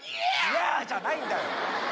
「ヤー！」じゃないんだよ！